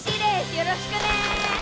よろしくね！